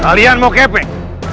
kalian mau kepek